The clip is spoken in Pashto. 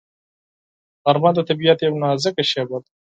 غرمه د طبیعت یو نازک شېبه ده